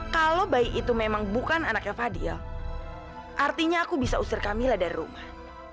kalau bayi itu memang bukan anaknya fadil artinya aku bisa usir camillah dari rumah